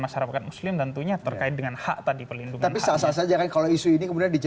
masyarakat muslim tentunya terkait dengan hak tadi pelindung tapi saja kalau isu ini kemudian